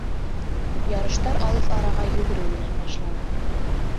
Ярыштар алыҫ араға йүгереү менән башлана